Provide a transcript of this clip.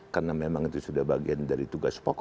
karena memang itu sudah bagian dari tugas pokoknya